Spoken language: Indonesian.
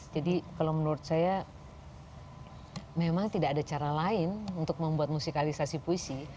jadi kalau menurut saya memang tidak ada cara lain untuk membuat musikalisasi puisi